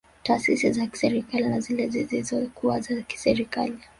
Taasisi za kiserikali na zile zisizo kuwa za kiserikali